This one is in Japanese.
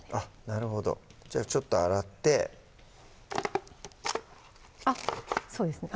なるほどじゃあちょっと洗ってあっそうですね